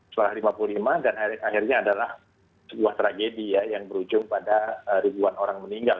setelah lima puluh lima dan akhirnya adalah sebuah tragedi ya yang berujung pada ribuan orang meninggal